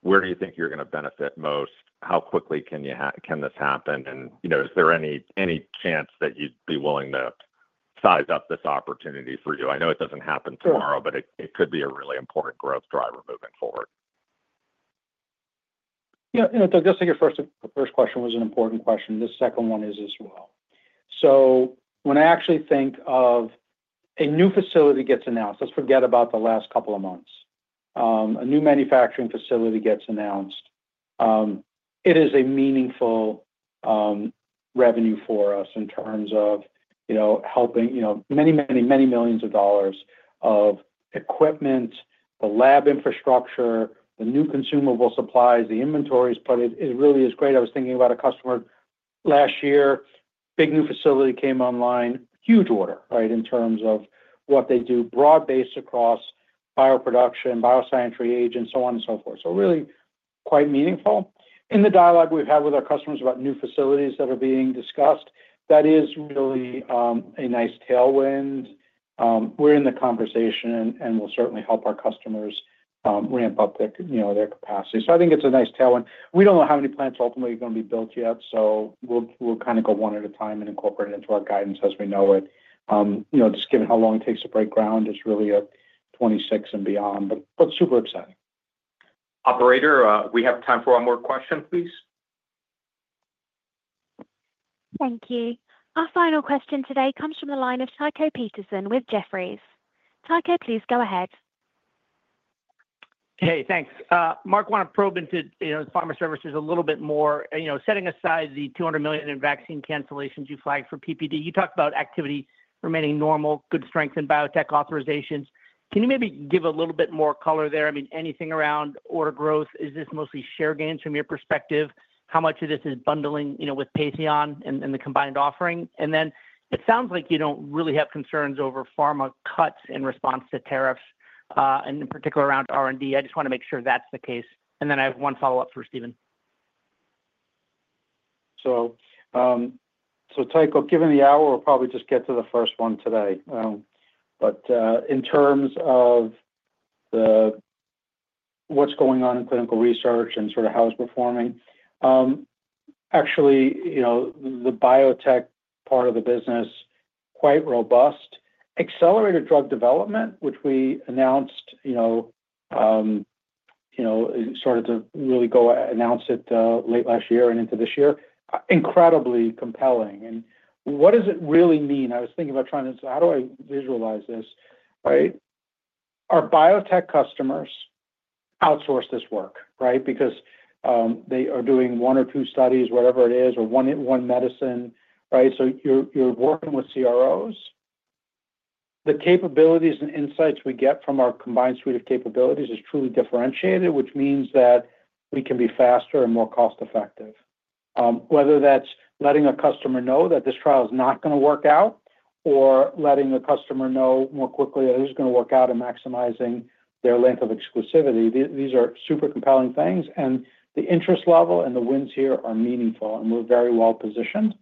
where do you think you're going to benefit most? How quickly can this happen? You know, is there any chance that you'd be willing to size up this opportunity for you? I know it doesn't happen tomorrow, but it could be a really important growth driver moving forward. Yeah, Doug, just take it first. First question was an important question. The second one is as well. When I actually think of a new facility gets announced, let's forget about the last couple of months. A new manufacturing facility gets announced. It is a meaningful revenue for us in terms of, you know, helping, you know, many, many, many millions of dollars of equipment, the lab infrastructure, the new consumable supplies, the inventories. It really is great. I was thinking about a customer last year, big new facility came online. Huge order, right. In terms of what they do, broad based across bioproduction, bioscience, reagents, so on and so forth. Really quite meaningful in the dialogue we've had with our customers about new facilities that are being discussed. That is really a nice tailwind. We're in the conversation and will certainly help our customers ramp up their, you know, their capacity. I think it's a nice tailwind. We don't know how many plants ultimately are going to be built yet, so we'll kind of go one at a time and incorporate it into our guidance as we know it. You know, just given how long it takes to break ground, it's really a 2026 and beyond. But super exciting. Operator, we have time for one more question please. Thank you. Our final question today comes from the line of Tycho Peterson with Jefferies. Tycho, please go Ahead. Hey, thanks Marc. Want to probe into pharma services a little bit more? You know, setting aside the $200 million in vaccine cancellations you flagged for PPD, you talked about activity remaining normal, good strength in biotech authorizations. Can you maybe give a little bit more color there? I mean, anything around order growth, is this mostly share gains from your perspective, how much of this is bundling, you know, with Patheon and the combined offering? It sounds like you do not really have concerns over pharma cuts in response to tariffs and in particular around R&D. I just want to make sure that is the case. I have one follow up for Stephen. So Tycho, given the hour, we'll probably just get to the first one today. In terms of what's going on in clinical research and sort of how it's performing, actually, you know, the biotech part of the business, quite robust accelerated drug development which we announced, you know, started to really go announce it late last year and into this year. Incredibly compelling. What does it really mean? I was thinking about trying to how do I visualize this? Right. Our biotech customers outsource this work, right? Because they are doing one or two studies, whatever it is, or one in one medicine. Right. You are working with CROs. The capabilities and insights we get from our combined suite of capabilities is truly differentiated, which means that we can be faster and more cost effective. Whether that's letting a customer know that this trial is not going to work out or letting the customer know more quickly that it is going to work out and maximizing their length of exclusivity. These are super compelling things. The interest level and the wins here are meaningful. We are very well positioned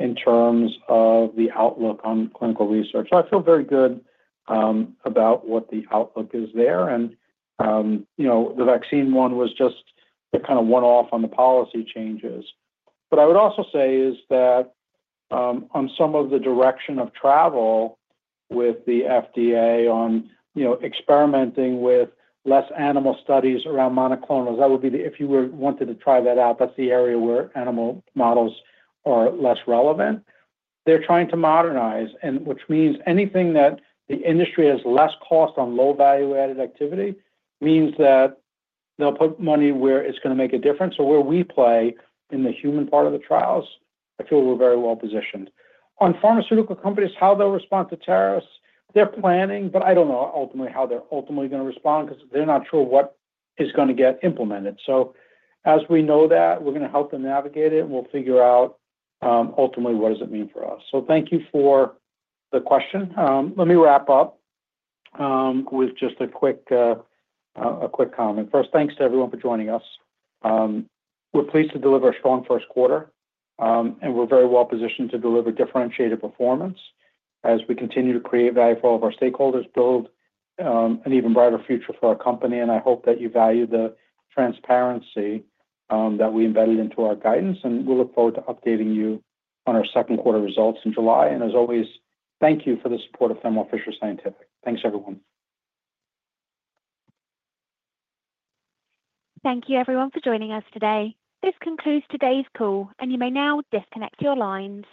in terms of the outlook on clinical research. I feel very good about what the outlook is there. You know, the vaccine one was just kind of one off on the policy changes. I would also say that on some of the direction of travel with the FDA on, you know, experimenting with less animal studies around monoclonals, that would be if you were wanted to try that out. That's the area where animal models are less relevant. They're trying to modernize, which means anything that the industry has less cost on, low value added activity, means that they'll put money where it's going to make a difference. Where we play in the human part of the trials, I feel we're very well positioned on pharmaceutical companies, how they'll respond to tariffs they're planning, but I don't know ultimately how they're ultimately going to respond because they're not sure what is going to get implemented. As we know that, we're going to help them navigate it, and we'll figure out ultimately what does it mean for us. Thank you for the question. Let me wrap up with just a quick comment. First, thanks to everyone for joining us. We're pleased to deliver a strong first quarter, and we're very well positioned to deliver differentiated performance as we continue to create value for all of our stakeholders, build an even brighter future for our company. I hope that you value the transparency that we embedded into our guidance. We look forward to updating you on our second quarter results in July. As always, thank you for the support of Thermo Fisher Scientific. Thanks. Thank you everyone for joining us today. This concludes today's call, and you may now disconnect your lines.